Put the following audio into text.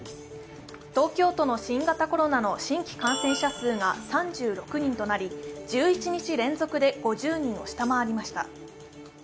東京都の新型コロナの新規感染者数が３６人となり１１日連続で５０人を下回りました。